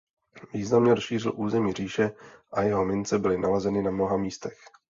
Významně rozšířil území říše a jeho mince byly nalezeny na mnoha místech.